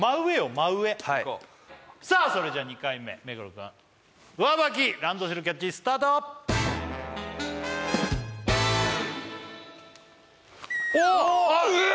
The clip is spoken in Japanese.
真上はいさあそれじゃ２回目目黒くん上履きランドセルキャッチスタートおお！うわ！